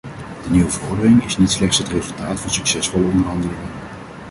De nieuwe verordening is niet slechts het resultaat van succesvolle onderhandelingen.